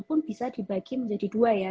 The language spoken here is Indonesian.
pun bisa dibagi menjadi dua ya